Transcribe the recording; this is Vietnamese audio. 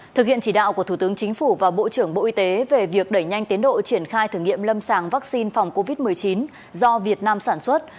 thực hiện chỉ đạo của thủ tướng chính phủ và bộ trưởng bộ y tế về việc đẩy nhanh tiến độ triển khai thử nghiệm lâm sàng vaccine phòng covid một mươi chín do việt nam sản xuất